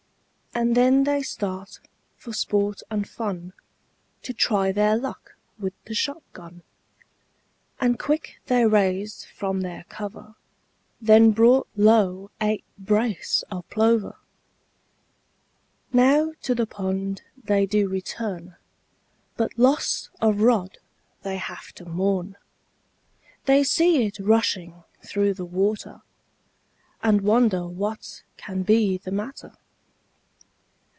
And then they start for sport and fun, To try their luck with the shot gun, And quick they raised from their cover, Then brought low eight brace of plover. Now to the pond they do return, But loss of rod they have to mourn, They see it rushing through the water, And wonder what can be the matter.